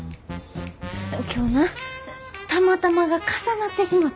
今日なたまたまが重なってしもて。